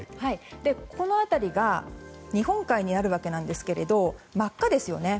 この辺りが日本海側になるわけですが真っ赤ですよね。